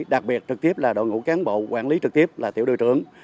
đặc biệt trực tiếp là đội ngũ cán bộ quản lý trực tiếp là tiểu đội trưởng